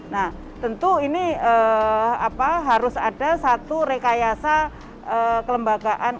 nah tentu ini harus ada satu rekayasa kelembagaan